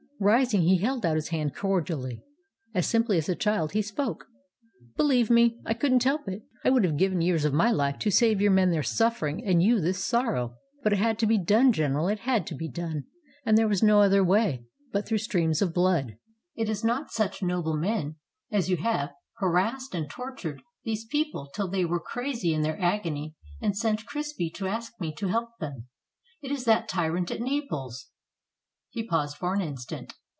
Rising, he held out his hand cordially. As sim ply as a child he spoke. "Believe me, I could n't help it. I would have given years of my Ufe to save your men their suffering and you this sorrow. But it had to be done, General; it had to be done, and there was no other way but through streams of blood. It is not such noble men as you who have harassed and tortured these peo ple till they were crazy in their agony and sent Crispi to ask me to help them. It is that tyrant at Naples !" He paused for an instant.